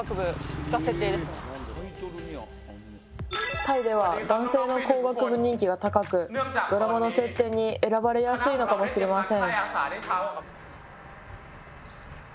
タイでは男性の工学部人気が高くドラマの設定に選ばれやすいのかもしれません。